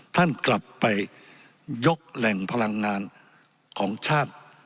ท่านกลับไปยกแหล่งพลังงานของชาติ